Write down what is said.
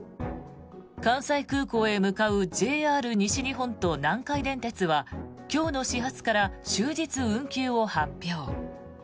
関西空港へ向かうＪＲ西日本と南海電鉄は今日の始発から終日運休を発表。